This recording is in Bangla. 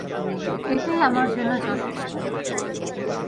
এটাই আমার জন্য যথেষ্ট।